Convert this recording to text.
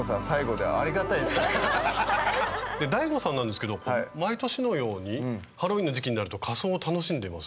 ＤＡＩＧＯさんなんですけど毎年のようにハロウィーンの時期になると仮装を楽しんでいます？